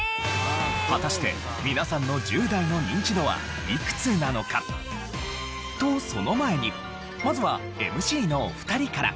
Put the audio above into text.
果たして皆さんの１０代のニンチドはいくつなのか？とその前にまずはＭＣのお二人から。